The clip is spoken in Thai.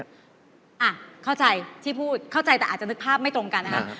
เข้าใจที่พูดเข้าใจแต่อาจจะนึกภาพไม่ตรงกันนะครับ